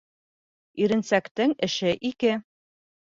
Иренсәктең эше ике.